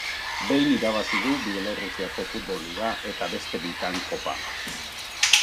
Behin irabazi du Bielorrusiako futbol liga eta beste bitan Kopa.